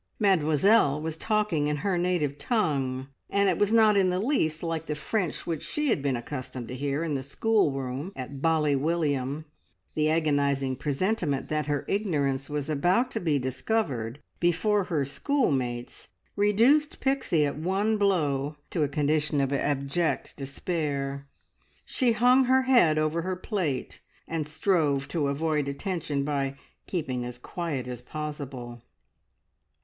Mademoiselle was talking in her native tongue, and it was not in the least like the French which she had been accustomed to hear in the schoolroom at Bally William. The agonising presentiment that her ignorance was about to be discovered before her schoolmates reduced Pixie at one blow to a condition of abject despair. She hung her head over her plate, and strove to avoid attention by keeping as quiet as possible.